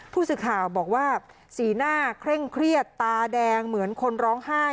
ผู้สื่อข่าวบอกว่าสีหน้าเคร่งเครียดตาแดงเหมือนคนร้องไห้